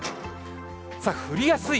降りやすい。